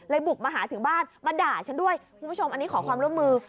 บุกมาหาถึงบ้านมาด่าฉันด้วยคุณผู้ชมอันนี้ขอความร่วมมือ